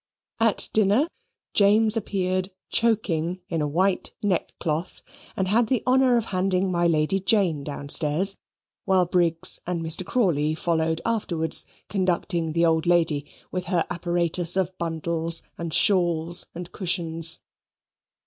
At dinner, James appeared choking in a white neckcloth, and had the honour of handing my Lady Jane downstairs, while Briggs and Mr. Crawley followed afterwards, conducting the old lady, with her apparatus of bundles, and shawls, and cushions.